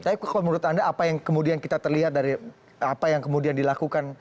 tapi kalau menurut anda apa yang kemudian kita terlihat dari apa yang kemudian dilakukan